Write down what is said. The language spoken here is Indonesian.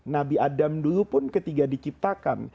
nabi adam dulu pun ketika di ciptakan